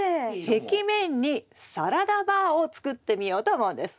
壁面にサラダバーを作ってみようと思うんです。